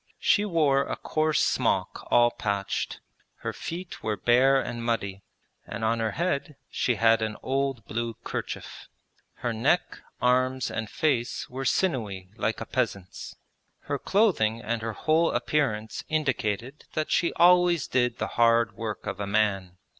She wore a coarse smock all patched; her feet were bare and muddy, and on her head she had an old blue kerchief. Her neck, arms, and face were sinewy like a peasant's. Her clothing and her whole appearance indicated that she always did the hard work of a man.